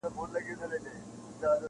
خو چوپتيا لا درنه ده تل-